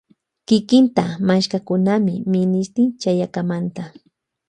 Kikinta mashkakunimi minishti chayakamanta.